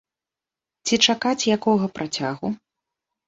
Ці чакаць якога працягу?